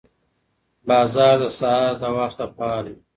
بازار د سهار له وخته فعال وي